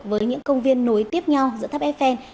với những công viên nối tiếp nhau giữa tháp eiffel